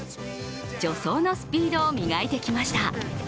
助走のスピードを磨いてきました。